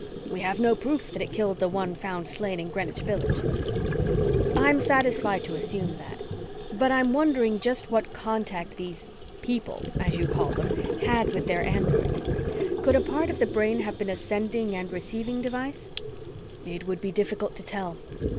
We have no proof that it killed the one found slain in Greenwich Village." "I'm satisfied to assume that. But I'm wondering just what contact those 'people,' as you call them, had with their androids. Could a part of the brain have been a sending and receiving device?" "It would be difficult to tell.